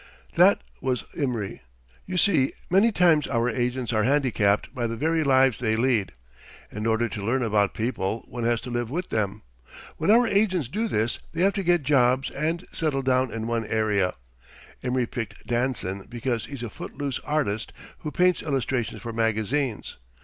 "That was Imry. You see, many times our agents are handicapped by the very lives they lead. In order to learn about people, one has to live with them; when our agents do this, they have to get jobs and settle down in one area. Imry picked Danson because he's a footloose artist who paints illustrations for magazines.